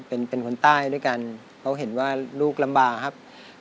เป็นคนใต้ด้วยกันเขาเห็นว่าลูกลำบากครับ